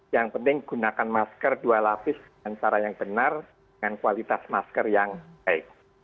yang penting gunakan masker dua lapis dengan cara yang benar dengan kualitas masker yang baik